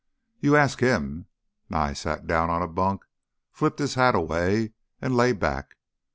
"You ask him." Nye sat down on a bunk, flipped his hat away, and lay back.